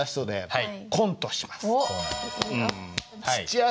はい。